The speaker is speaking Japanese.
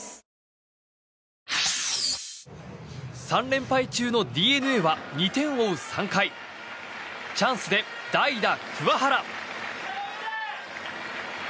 ３連敗中のＤｅＮＡは２点を追う３回チャンスで代打、桑原。